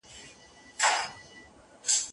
ورور به وژني د غلیم نوم یې په سر دی